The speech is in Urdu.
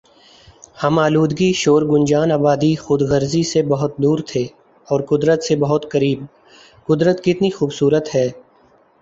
ہم آلودگی شور گنجان آبادی خود غرضی سے بہت دور تھے اور قدرت سے بہت قریب قدرت کتنی خوب صورت ہے